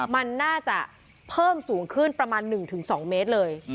มันน่าจะเพิ่มสูงขึ้นประมาณ๑๒เมตรเลย